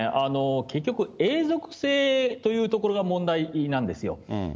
結局永続性というところが問題なんですよ。